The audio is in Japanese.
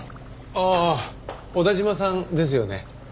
ああ小田嶋さんですよね？